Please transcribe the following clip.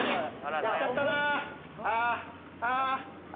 やっちゃったなあ。